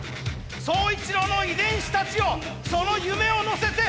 宗一郎の遺伝子たちよその夢を乗せて。